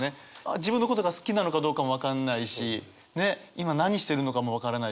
自分のことが好きなのかどうかも分かんないしねっ今何してるのかも分からないし。